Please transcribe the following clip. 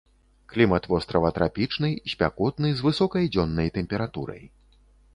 Клімат вострава трапічны, спякотны з высокай дзённай тэмпературай.